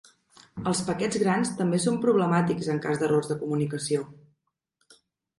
Els paquets grans també són problemàtics en cas d'errors de comunicació.